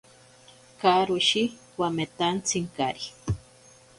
Karoshi wametantsinkari.